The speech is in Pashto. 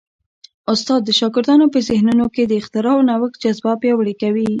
استاد د شاګردانو په ذهنونو کي د اختراع او نوښت جذبه پیاوړې کوي.